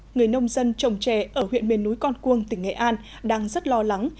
người nông dân trồng trè ở huyện miền núi con cuông tỉnh nghệ an đang rất lo lắng